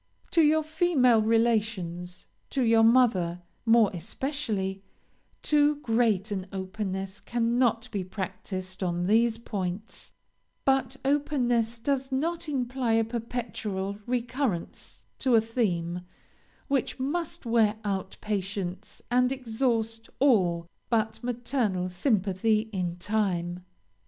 "To your female relations to your mother, more especially, too great an openness cannot be practiced on these points, but openness does not imply a perpetual recurrence to a theme, which must wear out patience and exhaust all but maternal sympathy, in time.